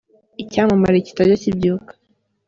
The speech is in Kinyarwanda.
Icyamamare kitajya kibyuka.